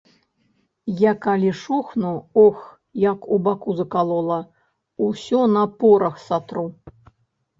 Я калі шухну, ох, як у баку закалола, усё на порах сатру.